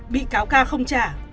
bị cáo ca không trả